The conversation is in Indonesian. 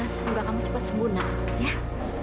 semoga kamu cepat sempurna ya